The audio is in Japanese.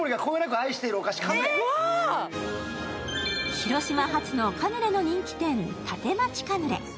広島発のカヌレの人気店立町カヌレ。